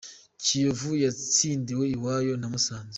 Kiyovu yatsindiwe iwayo na Musanze